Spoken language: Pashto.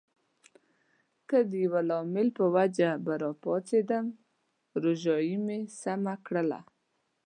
که د یوه لامل په وجه به راپاڅېدم، روژایې مې سمه کړله.